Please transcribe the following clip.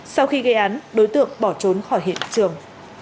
sau khi gây án đối tượng bỏ trốn khỏi hiện trường